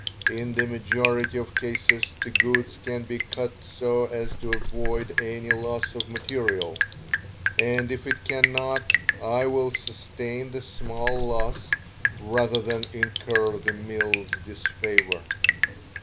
In the majority of cases the goods can be cut so as to avoid any loss of material, and if it cannot, I will sustain the small loss rather than incur the mill's disfavor.